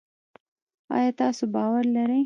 آیا تاسو باور لرئ؟